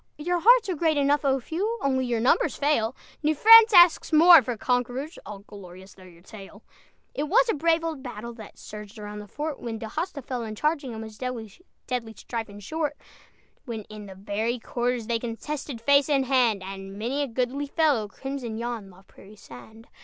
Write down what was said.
Your hearts are great enough, O few: Only your numbers fail, New France asks more for conquerors, All glorious though your tale. It was a brave old battle That surged around the fort, When D'Hosta fell in charging, And 'twas deadly strife and short; When in the very quarters They contested face and hand, And many a goodly fellow Crimsoned yon La Prairie sand.